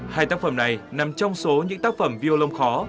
hai tác phẩm này nằm trong số những tác phẩm violon khó